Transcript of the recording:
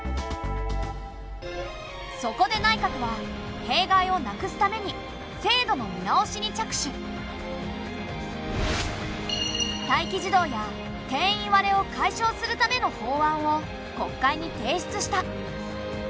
そこで内閣は弊害をなくすために待機児童や定員割れを解消するための法案を国会に提出した。